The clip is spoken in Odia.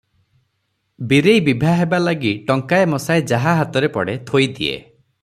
ବୀରେଇ ବିଭା ହେବା ଲାଗି ଟଙ୍କାଏ ମସାଏ ଯାହା ହାତରେ ପଡ଼େ ଥୋଇ ଦିଏ ।